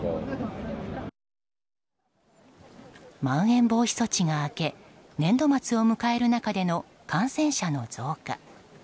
まん延防止措置が明け年度末を迎える中での感染者の増加。